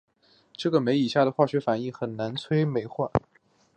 这种酶以下的化学反应进行酶催化。